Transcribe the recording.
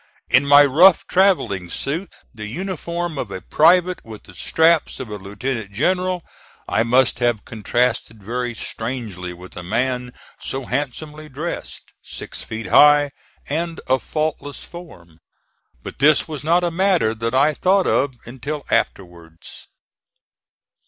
In my rough traveling suit, the uniform of a private with the straps of a lieutenant general, I must have contrasted very strangely with a man so handsomely dressed, six feet high and of faultless form. But this was not a matter that I thought of until afterwards.